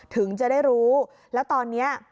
ถึงจะได้รู้แล้วตอนนี้